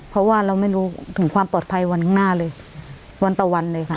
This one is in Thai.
เพราะว่าเราไม่รู้ถึงความปลอดภัยวันข้างหน้าเลยวันต่อวันเลยค่ะ